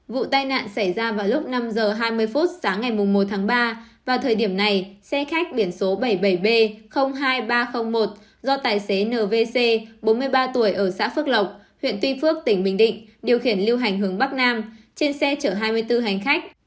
vụ tai nạn xảy ra vào lúc năm h hai mươi phút sáng ngày một tháng ba vào thời điểm này xe khách biển số bảy mươi bảy b hai nghìn ba trăm linh một do tài xế nvc bốn mươi ba tuổi ở xã phước lộc huyện tuy phước tỉnh bình định điều khiển lưu hành hướng bắc nam trên xe chở hai mươi bốn hành khách